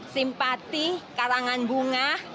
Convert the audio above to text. simpati karangan bunga